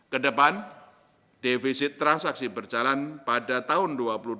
kedepan defisit transaksi berjalan pada tahun dua ribu dua puluh